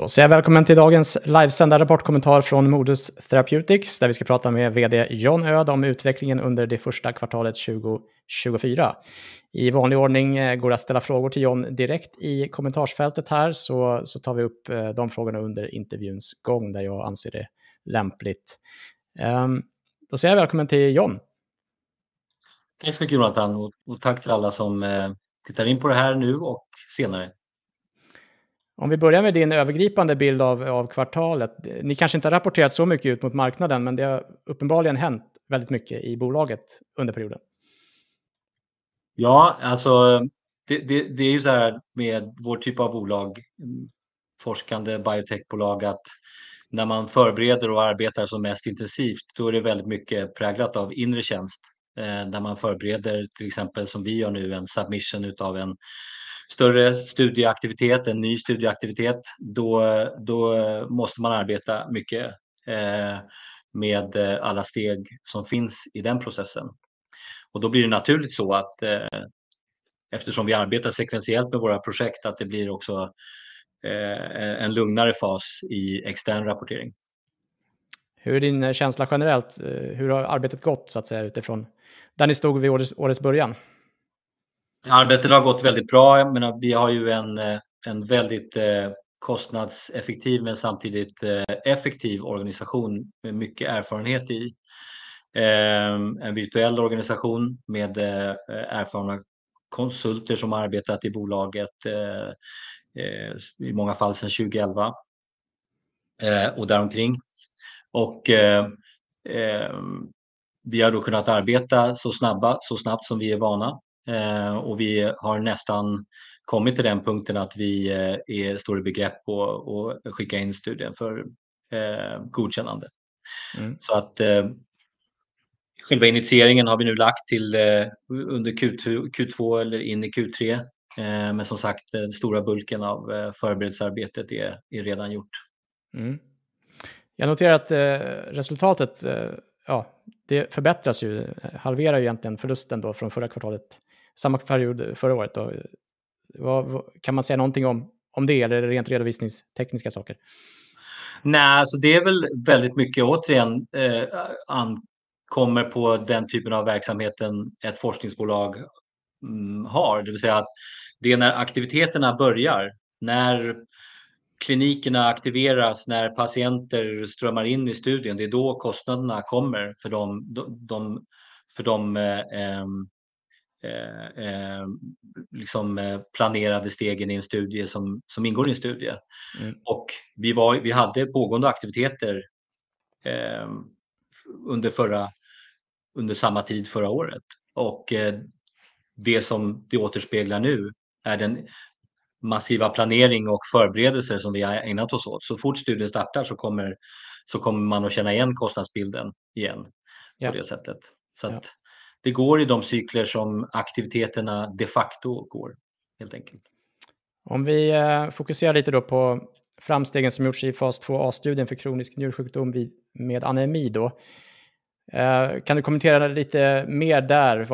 Då säger jag välkommen till dagens livesända rapportkommentar från Modus Therapeutics, där vi ska prata med VD John Öh om utvecklingen under det första kvartalet 2024. I vanlig ordning går det att ställa frågor till John direkt i kommentarsfältet här, så tar vi upp de frågorna under intervjuns gång där jag anser det lämpligt. Då säger jag välkommen till John. Tack så mycket, Jonathan, och tack till alla som tittar in på det här nu och senare. Om vi börjar med din övergripande bild av kvartalet. Ni kanske inte har rapporterat så mycket ut mot marknaden, men det har uppenbarligen hänt väldigt mycket i bolaget under perioden. Ja, alltså det är ju så här med vår typ av bolag, forskande biotech-bolag, att när man förbereder och arbetar som mest intensivt, då är det väldigt mycket präglat av inre tjänst. När man förbereder, till exempel som vi gör nu, en submission av en större studieaktivitet, en ny studieaktivitet, då måste man arbeta mycket med alla steg som finns i den processen. Och då blir det naturligt så att, eftersom vi arbetar sekventiellt med våra projekt, att det blir också en lugnare fas i extern rapportering. Hur är din känsla generellt? Hur har arbetet gått, så att säga, utifrån där ni stod vid årets början? Arbetet har gått väldigt bra. Jag menar, vi har ju en väldigt kostnadseffektiv, men samtidigt effektiv organisation med mycket erfarenhet i. En virtuell organisation med erfarna konsulter som arbetat i bolaget, i många fall sedan 2011 och däromkring. Vi har då kunnat arbeta så snabbt som vi är vana, och vi har nästan kommit till den punkten att vi står i begrepp att skicka in studien för godkännande. Så att själva initieringen har vi nu lagt till under Q2 eller in i Q3, men som sagt, den stora bulken av förberedelsearbetet är redan gjort. Jag noterar att resultatet, ja, det förbättras ju, halverar ju egentligen förlusten då från förra kvartalet, samma period förra året. Kan man säga någonting om det, eller är det rent redovisningstekniska saker? Nej, alltså det är väl väldigt mycket, återigen, ankommer på den typen av verksamheten ett forskningsbolag har, det vill säga att det är när aktiviteterna börjar, när klinikerna aktiveras, när patienter strömmar in i studien, det är då kostnaderna kommer för de planerade stegen i en studie som ingår i en studie. Vi hade pågående aktiviteter under samma tid förra året, och det som det återspeglar nu är den massiva planeringen och förberedelser som vi har ägnat oss åt. Så fort studien startar så kommer man att känna igen kostnadsbilden igen på det sättet, så att det går i de cykler som aktiviteterna de facto går, helt enkelt. Om vi fokuserar lite då på framstegen som gjorts i fas 2a-studien för kronisk njursjukdom med anemi då. Kan du kommentera lite mer där,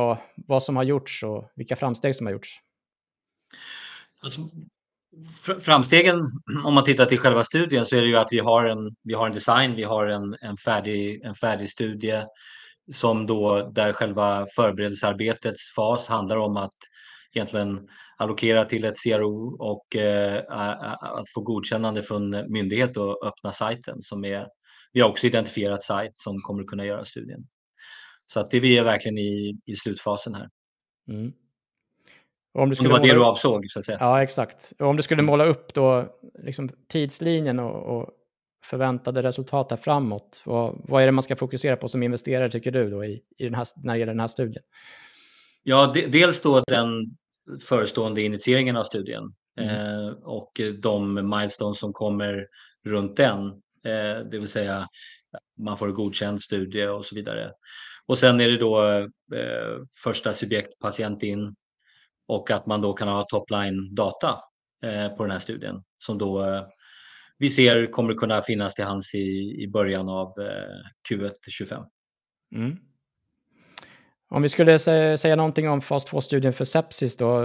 vad som har gjorts och vilka framsteg som har gjorts? Alltså, framstegen, om man tittar till själva studien, så är det ju att vi har en design, vi har en färdig studie som då där själva förberedelsearbetets fas handlar om att egentligen allokera till ett CRO och att få godkännande från myndighet och öppna sajten som är. Vi har också identifierat sajt som kommer att kunna göra studien. Så att det är vi är verkligen i slutfasen här. Det var det du avsåg, så att säga. Ja, exakt. Om du skulle måla upp då liksom tidslinjen och förväntade resultat här framåt, vad är det man ska fokusera på som investerare, tycker du då, i den här när det gäller den här studien? Ja, dels då den förestående initieringen av studien och de milestones som kommer runt den, det vill säga man får en godkänd studie och så vidare. Och sen är det då första subjektpatient in och att man då kan ha topline-data på den här studien som då vi ser kommer att kunna finnas till hands i början av Q1 2025. Om vi skulle säga någonting om fas 2-studien för sepsis då,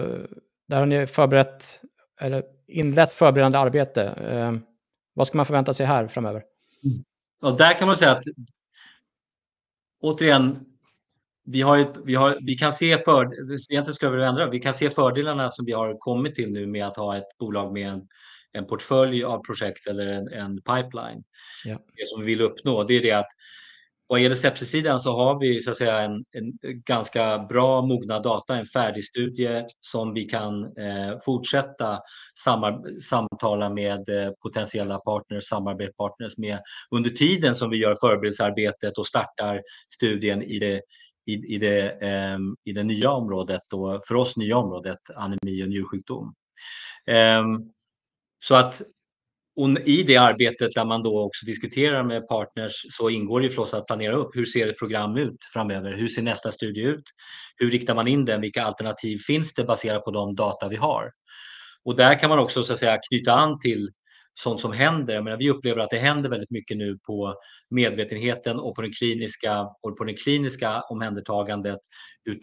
där har ni förberett eller inlett förberedande arbete. Vad ska man förvänta sig här framöver? Där kan man säga att, återigen, vi har ju, vi kan se fördelarna, egentligen ska vi väl ändra, vi kan se fördelarna som vi har kommit till nu med att ha ett bolag med en portfölj av projekt eller en pipeline. Det som vi vill uppnå, det är det att, vad gäller sepsissidan så har vi, så att säga, en ganska bra mogna data, en färdig studie som vi kan fortsätta samtala med potentiella partners, samarbetspartners med under tiden som vi gör förberedelsearbetet och startar studien i det nya området och för oss nya området, anemi och njursjukdom. I det arbetet där man då också diskuterar med partners så ingår det ju förstås att planera upp, hur ser ett program ut framöver, hur ser nästa studie ut, hur riktar man in den, vilka alternativ finns det baserat på de data vi har. Och där kan man också, så att säga, knyta an till sånt som händer. Jag menar, vi upplever att det händer väldigt mycket nu på medvetenheten och på det kliniska omhändertagandet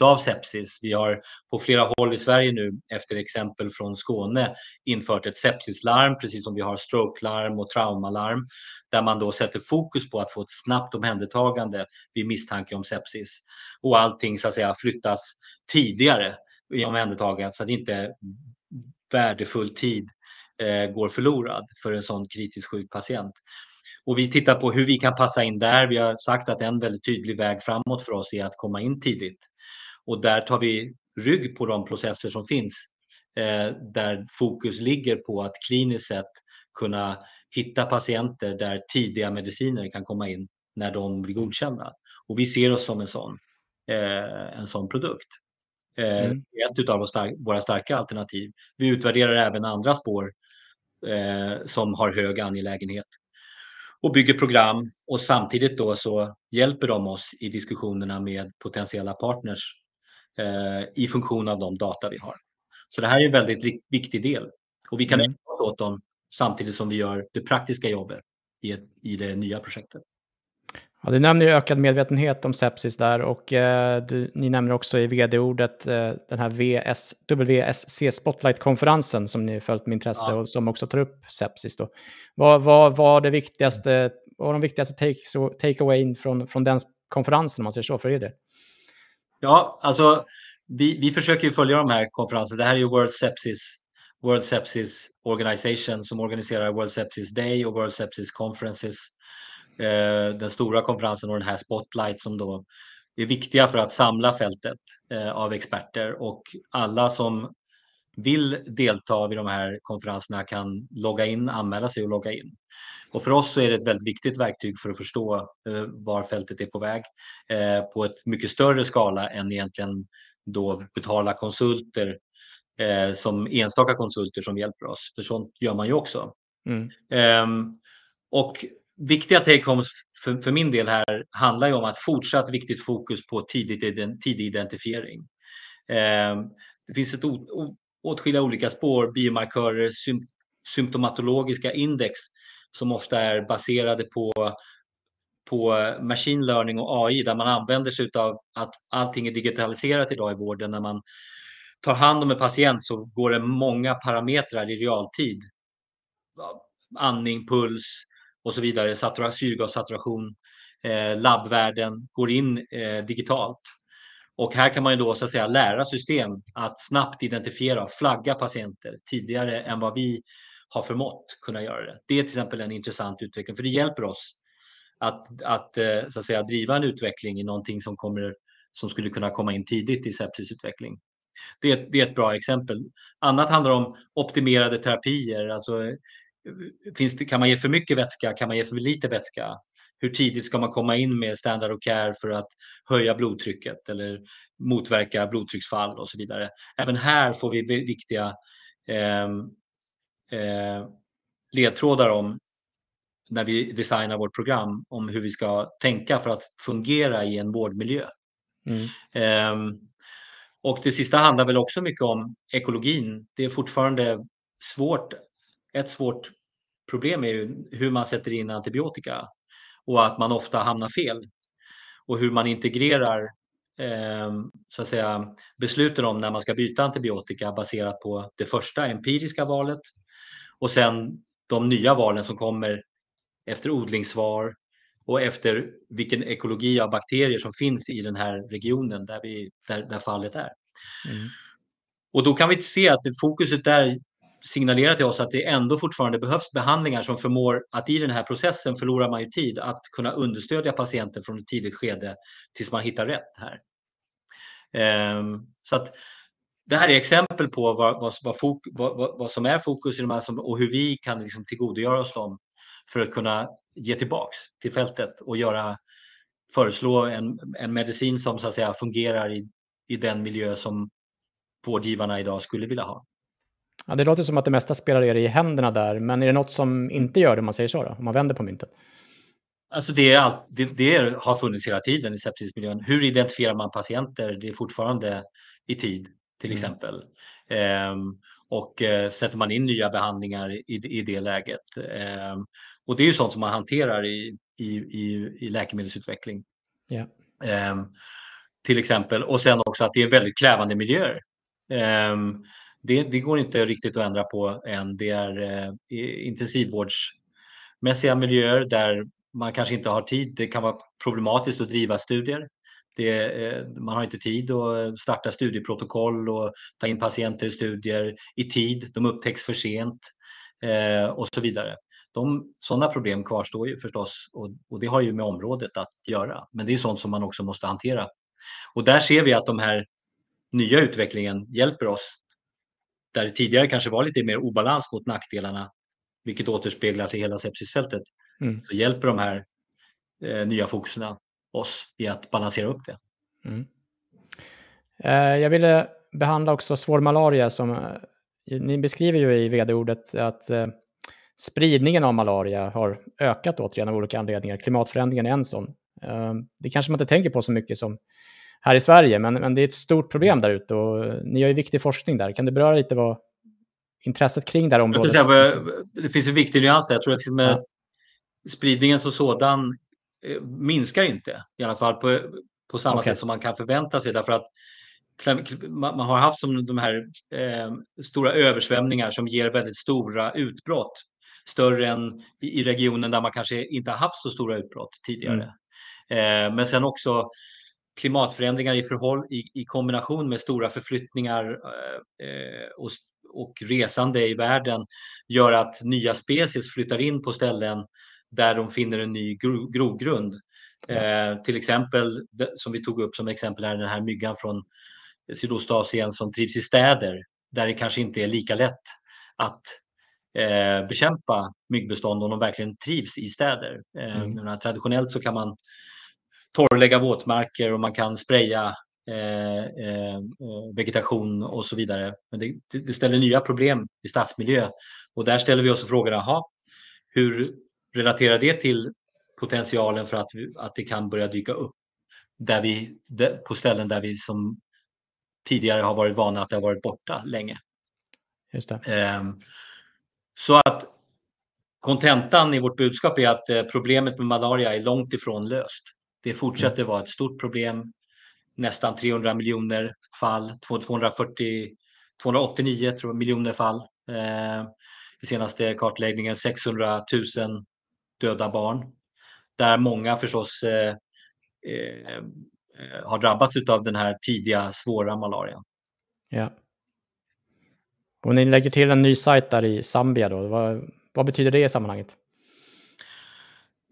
av sepsis. Vi har på flera håll i Sverige nu, efter exempel från Skåne, infört ett sepsislarm, precis som vi har stroke-larm och trauma-larm, där man då sätter fokus på att få ett snabbt omhändertagande vid misstanke om sepsis och allting, så att säga, flyttas tidigare i omhändertagandet, så att inte värdefull tid går förlorad för en sådan kritiskt sjuk patient. Vi tittar på hur vi kan passa in där. Vi har sagt att en väldigt tydlig väg framåt för oss är att komma in tidigt. Där tar vi rygg på de processer som finns, där fokus ligger på att kliniskt sett kunna hitta patienter där tidiga mediciner kan komma in när de blir godkända. Och vi ser oss som en sådan produkt. Ett av våra starka alternativ. Vi utvärderar även andra spår som har hög angelägenhet och bygger program och samtidigt så hjälper de oss i diskussionerna med potentiella partners i funktion av de data vi har. Så det här är en väldigt viktig del och vi kan utgå från dem samtidigt som vi gör det praktiska jobbet i det nya projektet. Ja, du nämner ju ökad medvetenhet om sepsis där och ni nämner också i VD-ordet den här WSC Spotlight-konferensen som ni har följt med intresse och som också tar upp sepsis då. Vad var det viktigaste, vad var de viktigaste takeaways från den konferensen, om man säger så, för där? Ja, alltså, vi försöker ju följa de här konferenserna. Det här är ju World Sepsis Organization som organiserar World Sepsis Day och World Sepsis Conferences, den stora konferensen och den här Spotlight som då är viktiga för att samla fältet av experter och alla som vill delta vid de här konferenserna kan logga in, anmäla sig och logga in. För oss så är det ett väldigt viktigt verktyg för att förstå var fältet är på väg på ett mycket större skala än egentligen då betalda konsulter, som enstaka konsulter som hjälper oss, för sånt gör man ju också. Viktiga takeaways för min del här handlar ju om att fortsatt viktigt fokus på tidig identifiering. Det finns åtskilliga olika spår, biomarkörer, symptomatologiska index som ofta är baserade på machine learning och AI, där man använder sig av att allting är digitaliserat idag i vården. När man tar hand om en patient så går det många parametrar i realtid. Andning, puls och så vidare, syrgassaturation, labbvärden går in digitalt. Här kan man ju då, så att säga, lära system att snabbt identifiera och flagga patienter tidigare än vad vi har förmått kunna göra det. Det är till exempel en intressant utveckling, för det hjälper oss att, så att säga, driva en utveckling i någonting som kommer, som skulle kunna komma in tidigt i sepsisutveckling. Det är ett bra exempel. Annat handlar om optimerade terapier. Alltså, finns det, kan man ge för mycket vätska, kan man ge för lite vätska? Hur tidigt ska man komma in med standard of care för att höja blodtrycket eller motverka blodtrycksfall och så vidare. Även här får vi viktiga ledtrådar om när vi designar vårt program, om hur vi ska tänka för att fungera i en vårdmiljö. Och det sista handlar väl också mycket om ekologin. Det är fortfarande svårt. Ett svårt problem är ju hur man sätter in antibiotika och att man ofta hamnar fel och hur man integrerar, så att säga, besluten om när man ska byta antibiotika baserat på det första empiriska valet och sen de nya valen som kommer efter odlingssvar och efter vilken ekologi av bakterier som finns i den här regionen där vi där fallet är. Och då kan vi se att fokuset där signalerar till oss att det ändå fortfarande behövs behandlingar som förmår att, i den här processen, förlorar man ju tid att kunna understödja patienten från ett tidigt skede tills man hittar rätt här. Så att det här är exempel på vad som är fokus i de här och hur vi kan liksom tillgodogöra oss dem för att kunna ge tillbaka till fältet och göra, föreslå en medicin som, så att säga, fungerar i den miljö som vårdgivarna idag skulle vilja ha. Ja, det låter som att det mesta spelar i händerna där, men är det något som inte gör det, om man säger så då, om man vänder på myntet? Alltså, det är allt, det har funnits hela tiden i sepsismiljön. Hur identifierar man patienter? Det är fortfarande i tid, till exempel, och sätter man in nya behandlingar i det läget. Det är ju sånt som man hanterar i läkemedelsutveckling, till exempel, och sen också att det är väldigt krävande miljöer. Det går inte riktigt att ändra på än. Det är intensivvårdsmässiga miljöer där man kanske inte har tid. Det kan vara problematiskt att driva studier. Det är, man har inte tid att starta studieprotokoll och ta in patienter i studier i tid. De upptäcks för sent, och så vidare. Sådana problem kvarstår ju förstås, och det har ju med området att göra, men det är sånt som man också måste hantera. Och där ser vi att den här nya utvecklingen hjälper oss, där det tidigare kanske var lite mer obalans mot nackdelarna, vilket återspeglas i hela sepsisfältet, så hjälper de här nya fokuserna oss i att balansera upp det. Jag ville behandla också svårmalaria, som ni beskriver ju i VD-ordet, att spridningen av malaria har ökat återigen av olika anledningar. Klimatförändringen är en sådan. Det kanske man inte tänker på så mycket som här i Sverige, men det är ett stort problem där ute och ni gör ju viktig forskning där. Kan du beröra lite vad intresset kring det här området? Jag ska säga vad jag, det finns en viktig nyans där. Jag tror att spridningen som sådan minskar inte, i alla fall på samma sätt som man kan förvänta sig, därför att man har haft de här stora översvämningarna som ger väldigt stora utbrott, större än i regionen där man kanske inte har haft så stora utbrott tidigare. Men sen också klimatförändringar i kombination med stora förflyttningar och resande i världen gör att nya species flyttar in på ställen där de finner en ny grogrund. Till exempel, som vi tog upp som exempel här, den här myggan från Sydostasien som trivs i städer, där det kanske inte är lika lätt att bekämpa myggbestånd om de verkligen trivs i städer. Nu traditionellt så kan man torrlägga våtmarker och man kan spraya vegetation och så vidare, men det ställer nya problem i stadsmiljö och där ställer vi oss frågan: Jaha, hur relaterar det till potentialen för att det kan börja dyka upp där vi, på ställen där vi som tidigare har varit vana att det har varit borta länge? Just det. Så att kontentan i vårt budskap är att problemet med malaria är långt ifrån löst. Det fortsätter vara ett stort problem, nästan 300 miljoner fall, 289 tror jag miljoner fall, i senaste kartläggningen, 600,000 döda barn, där många förstås har drabbats av den här tidiga svåra malarian. Ja. Och ni lägger till en ny sajt där i Zambia då. Vad betyder det i sammanhanget?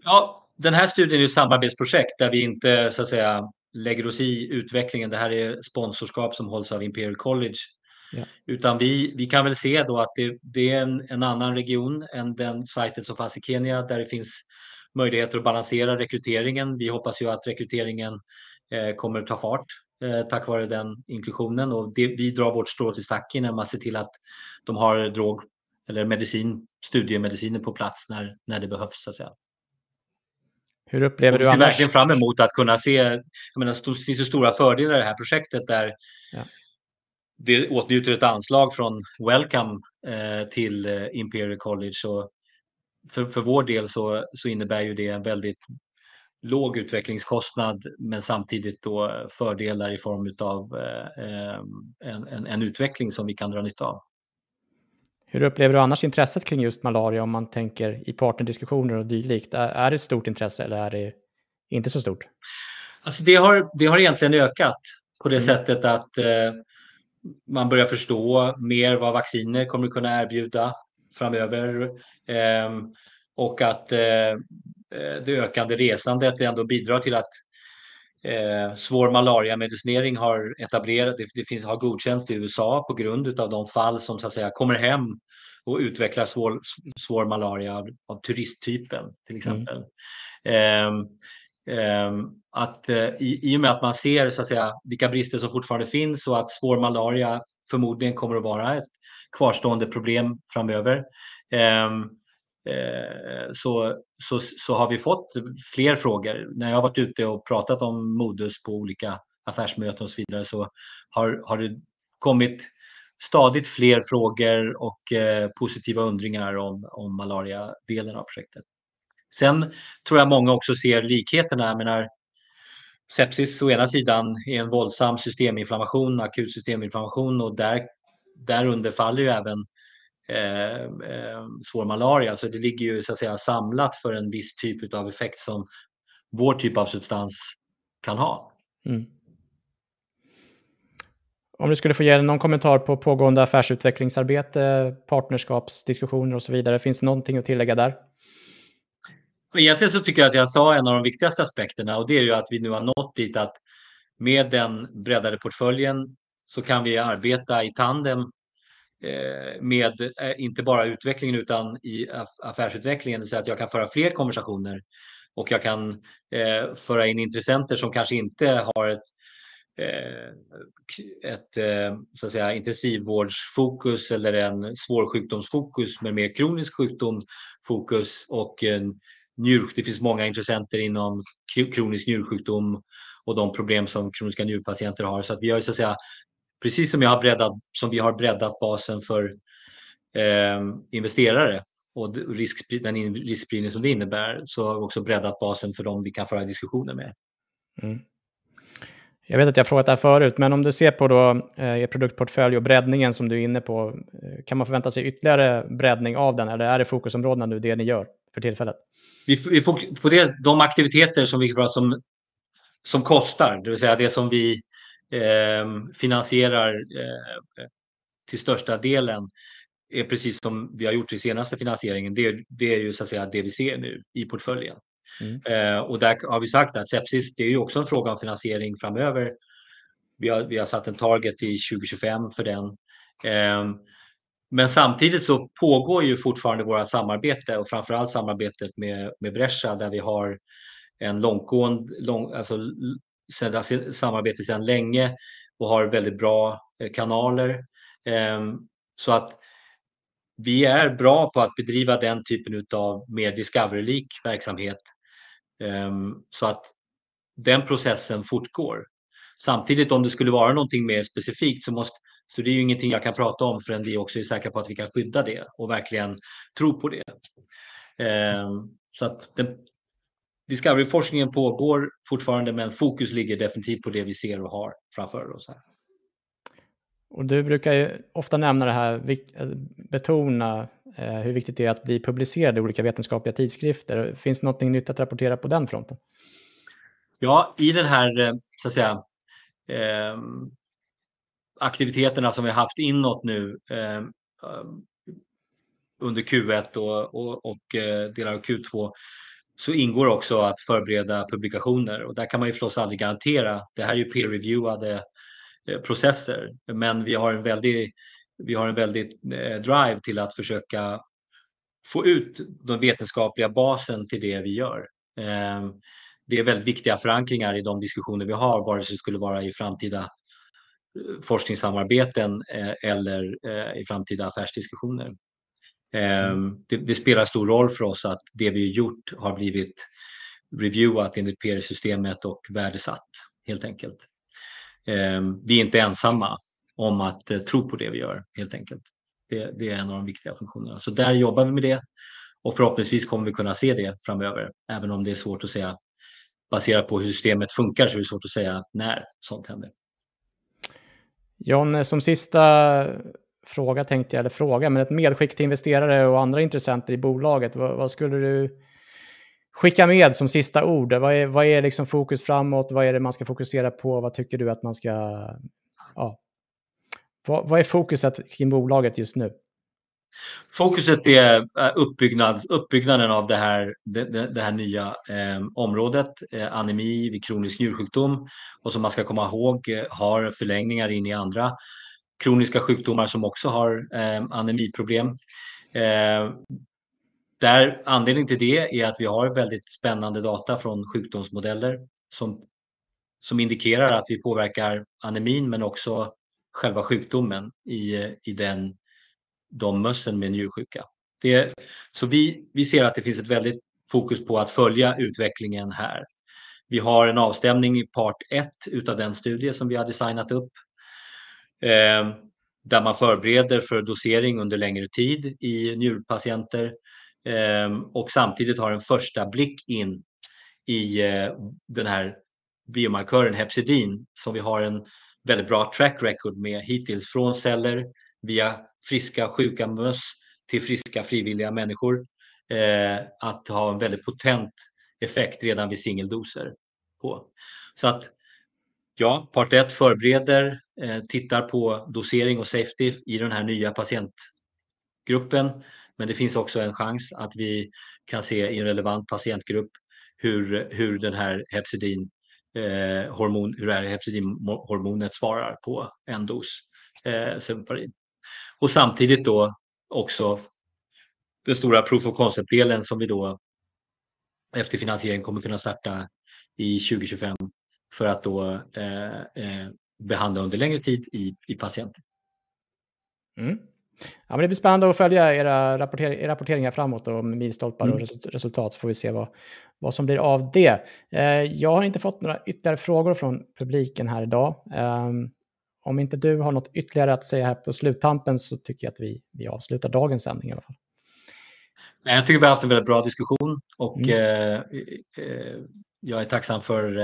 Ja, den här studien är ju ett samarbetsprojekt där vi inte, så att säga, lägger oss i utvecklingen. Det här är sponsorskap som hålls av Imperial College, utan vi kan väl se då att det är en annan region än den sajten som fanns i Kenya, där det finns möjligheter att balansera rekryteringen. Vi hoppas ju att rekryteringen kommer att ta fart, tack vare den inklusionen och det vi drar vårt strå till stacken när man ser till att de har drog eller medicin, studiemediciner på plats när det behövs, så att säga. Hur upplever du? Jag ser verkligen fram emot att kunna se. Jag menar, det finns ju stora fördelar i det här projektet där det åtnjuter ett anslag från Wellcome, till Imperial College och för vår del så innebär ju det en väldigt låg utvecklingskostnad, men samtidigt då fördelar i form av en utveckling som vi kan dra nytta av. Hur upplever du annars intresset kring just malaria, om man tänker i partnerdiskussioner och dylikt? Är det ett stort intresse eller är det inte så stort? Alltså, det har egentligen ökat på det sättet att man börjar förstå mer vad vacciner kommer att kunna erbjuda framöver, och att det ökande resandet ändå bidrar till att svår malaria medicinering har etablerats. Det finns har godkänts i USA på grund av de fall som, så att säga, kommer hem och utvecklar svår malaria av turisttypen, till exempel. I och med att man ser, så att säga, vilka brister som fortfarande finns och att svår malaria förmodligen kommer att vara ett kvarstående problem framöver, så har vi fått fler frågor. När jag har varit ute och pratat om modus på olika affärsmöten och så vidare, så har det kommit stadigt fler frågor och positiva undringar om malaria-delen av projektet. Sen tror jag många också ser likheterna. Jag menar, sepsis å ena sidan är en våldsam systeminflammation, akut systeminflammation och där underfaller ju även svår malaria. Så det ligger ju, så att säga, samlat för en viss typ av effekt som vår typ av substans kan ha. Om du skulle få ge någon kommentar på pågående affärsutvecklingsarbete, partnerskapsdiskussioner och så vidare, finns det någonting att tillägga där? Egentligen så tycker jag att jag sa en av de viktigaste aspekterna och det är ju att vi nu har nått dit att med den breddade portföljen så kan vi arbeta i tandem, med inte bara utvecklingen utan i affärsutvecklingen, det vill säga att jag kan föra fler konversationer och jag kan föra in intressenter som kanske inte har ett intensivvårdsfokus eller en svår sjukdomsfokus med mer kronisk sjukdomsfokus och en njurs. Det finns många intressenter inom kronisk njursjukdom och de problem som kroniska njurpatienter har, så att vi gör, så att säga, precis som jag har breddat, som vi har breddat basen för investerare och den riskspridning som det innebär, så har vi också breddat basen för de vi kan föra diskussioner med. Jag vet att jag har frågat det här förut, men om du ser på produktportföljen och breddningen som du är inne på, kan man förvänta sig ytterligare breddning av den eller är det fokusområdena nu, det ni gör för tillfället? Vi får på det, de aktiviteter som vi pratar om som kostar, det vill säga det som vi finansierar, till största delen är precis som vi har gjort i senaste finansieringen. Det är ju så att säga det vi ser nu i portföljen, och där har vi sagt att sepsis, det är ju också en fråga om finansiering framöver. Vi har satt en target i 2025 för den. Men samtidigt så pågår ju fortfarande vårt samarbete och framförallt samarbetet med Bresha, där vi har ett långtgående samarbete sedan länge och har väldigt bra kanaler. Så att vi är bra på att bedriva den typen av mer discovery-lik verksamhet, så att den processen fortgår. Samtidigt, om det skulle vara någonting mer specifikt så måste, så det är ju ingenting jag kan prata om förrän vi också är säkra på att vi kan skydda det och verkligen tro på det. Så att den discovery-forskningen pågår fortfarande, men fokus ligger definitivt på det vi ser och har framför oss här. Och du brukar ju ofta nämna det här, betona, hur viktigt det är att bli publicerad i olika vetenskapliga tidskrifter. Finns det någonting nytt att rapportera på den fronten? Ja, i den här, så att säga, aktiviteterna som vi har haft inåt nu, under Q1 och delar av Q2, så ingår också att förbereda publikationer och där kan man ju förstås aldrig garantera. Det här är ju peer-reviewade processer, men vi har en väldig drive till att försöka få ut den vetenskapliga basen till det vi gör. Det är väldigt viktiga förankringar i de diskussioner vi har, vare sig det skulle vara i framtida forskningssamarbeten, eller i framtida affärsdiskussioner. Det spelar stor roll för oss att det vi har gjort har blivit reviewat enligt PR-systemet och värdesatt, helt enkelt. Vi är inte ensamma om att tro på det vi gör, helt enkelt. Det är en av de viktiga funktionerna, så där jobbar vi med det och förhoppningsvis kommer vi kunna se det framöver, även om det är svårt att säga. Baserat på hur systemet fungerar, så är det svårt att säga när sånt händer. Jan, som sista fråga tänkte jag, eller fråga, men ett medskick till investerare och andra intressenter i bolaget. Vad skulle du skicka med som sista ord? Vad är liksom fokus framåt? Vad är det man ska fokusera på? Vad tycker du att man ska, ja, vad är fokuset kring bolaget just nu? Fokuset är uppbyggnaden av det här nya området, anemi vid kronisk njursjukdom och som man ska komma ihåg har förlängningar in i andra kroniska sjukdomar som också har anemiproblem. Anledningen till det är att vi har väldigt spännande data från sjukdomsmodeller som indikerar att vi påverkar anemin, men också själva sjukdomen i de möss med njursjuka. Det är så vi ser att det finns ett väldigt fokus på att följa utvecklingen här. Vi har en avstämning i part ett av den studie som vi har designat upp, där man förbereder för dosering under längre tid i njurpatienter och samtidigt har en första blick in i den här biomarkören hepcidin som vi har en väldigt bra track record med hittills, från celler via friska sjuka möss till friska frivilliga människor, att ha en väldigt potent effekt redan vid singeldoser på. Så att ja, part ett förbereder, tittar på dosering och safety i den här nya patientgruppen, men det finns också en chans att vi kan se i en relevant patientgrupp hur hepcidinhormonet svarar på en dos cefalparin och samtidigt då också den stora proof of concept-delen som vi då efter finansiering kommer kunna starta i 2025 för att då behandla under längre tid i patienter. Ja, men det blir spännande att följa era rapporteringar framåt och milstolpar och resultat, så får vi se vad som blir av det. Jag har inte fått några ytterligare frågor från publiken här idag. Om inte du har något ytterligare att säga här på sluttampen, så tycker jag att vi avslutar dagens sändning i alla fall. Nej, jag tycker vi har haft en väldigt bra diskussion och jag är tacksam för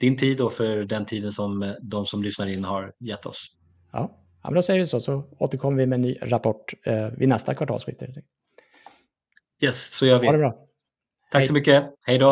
din tid och för den tiden som de som lyssnar in har gett oss. Ja, ja, men då säger vi så, så återkommer vi med en ny rapport vid nästa kvartalsskifte. Yes, så gör vi. Ha det bra. Tack så mycket. Hej då.